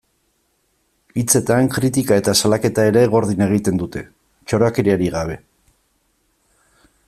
Hitzetan, kritika eta salaketa ere gordin egiten dute, txorakeriarik gabe.